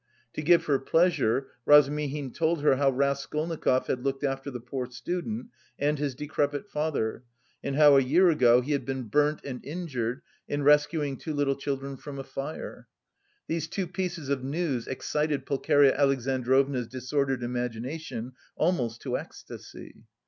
To give her pleasure Razumihin told her how Raskolnikov had looked after the poor student and his decrepit father and how a year ago he had been burnt and injured in rescuing two little children from a fire. These two pieces of news excited Pulcheria Alexandrovna's disordered imagination almost to ecstasy.